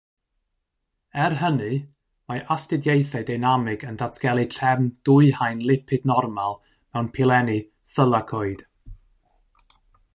Er hynny, mae astudiaethau deinamig yn datgelu trefn dwyhaen lipid normal mewn pilenni thylacoid.